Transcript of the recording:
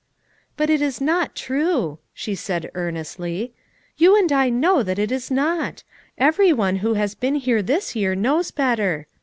"But it is not true," she said earnestly. "You and I know it is not; every one who has been here this year knows better.